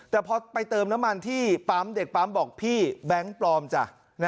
แต่พอไปเติมน้ำมันที่ปั๊มเด็กปั๊มบอกพี่แบงค์ปลอมจ้ะ